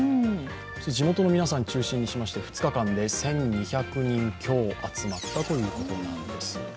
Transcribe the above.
地元の皆さん中心にしまして、２日間で１２００人強集まったということなんです。